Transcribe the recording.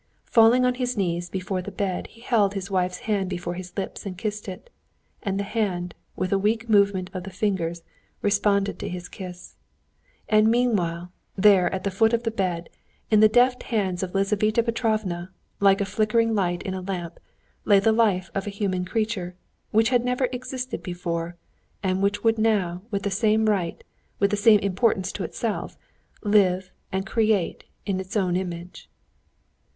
Falling on his knees before the bed, he held his wife's hand before his lips and kissed it, and the hand, with a weak movement of the fingers, responded to his kiss. And meanwhile, there at the foot of the bed, in the deft hands of Lizaveta Petrovna, like a flickering light in a lamp, lay the life of a human creature, which had never existed before, and which would now with the same right, with the same importance to itself, live and create in its own image.